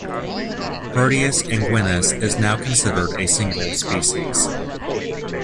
"Proteus anguinus" is now considered a single species.